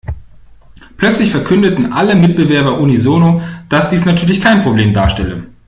Plötzlich verkündeten alle Mitbewerber unisono, dass dies natürlich kein Problem darstelle.